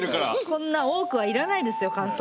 こんな多くは要らないですよ感想。